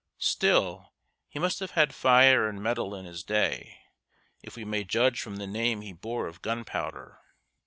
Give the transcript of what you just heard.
Still, he must have had fire and mettle in his day, if we may judge from the name he bore of Gunpowder.